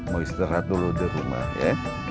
mau istirahat dulu di rumah ya